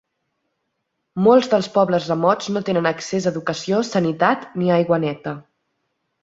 Molts dels pobles remots no tenen accés a educació, sanitat ni aigua neta.